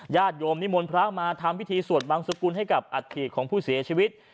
ญาติโยมนิมนต์พระมาทำพิธีสวดบังสกุลให้กับอัฐิของผู้เสียชีวิต